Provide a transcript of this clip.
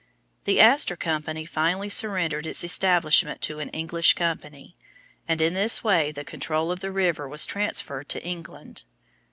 The Astor company finally surrendered its establishment to an English company, and in this way the control of the river was transferred to England.